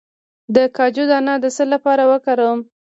د کاجو دانه د څه لپاره وکاروم؟